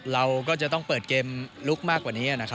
เราก็จะต้องเปิดเกมลุกมากกว่านี้นะครับ